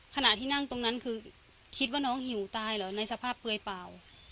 ขณะที่นั่งตรงนั้นคือคิดว่าน้องหิวตายเหรอในสภาพเปลือยเปล่า